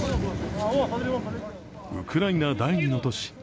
ウクライナ第２の都市